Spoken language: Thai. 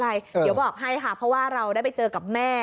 เดี๋ยวบอกให้ค่ะเพราะว่าเราได้ไปเจอกับแม่